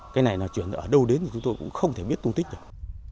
cây này nó chuyển ở đâu đến thì chúng tôi cũng không thể biết tung tích được